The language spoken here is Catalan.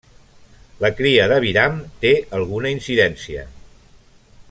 La cria d'aviram té alguna incidència.